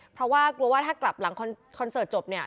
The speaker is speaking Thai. เพราะว่ากลัวว่าถ้ากลับหลังคอนเสิร์ตจบเนี่ย